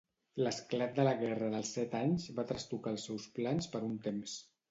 L'esclat de la guerra dels set anys va trastocar els seus plans per un temps.